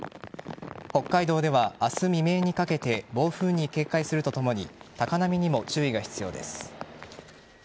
北海道では明日未明にかけて暴風に警戒するとともに高波にも注意が必要です。